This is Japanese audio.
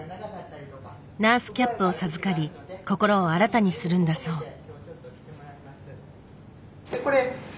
ナースキャップを授かり心を新たにするんだそう。